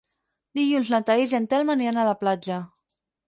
Dilluns na Thaís i en Telm aniran a la platja.